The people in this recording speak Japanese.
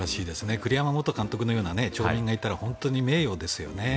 栗山元監督のような町民がいたら本当に名誉ですね。